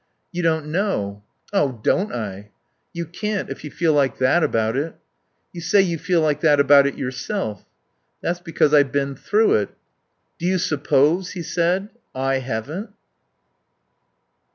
"You don't know." "Oh, don't I!" "You can't, if you feel like that about it." "You say you feel like that about it yourself." "That's because I've been through it." "Do you suppose," he said, "I haven't?"